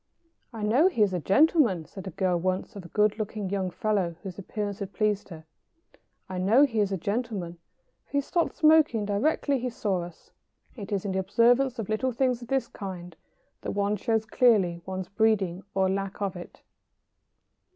"I know he is a gentleman," said a girl once of a good looking young fellow whose appearance had pleased her "I know he is a gentleman, for he stopped smoking directly he saw us." It is in the observance of little things of this kind that one shows clearly one's breeding or lack of it.